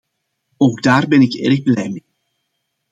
Ook daar ben ik erg blij mee.